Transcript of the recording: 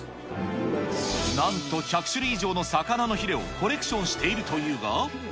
なんと１００種類以上の魚のヒレをコレクションしているというが。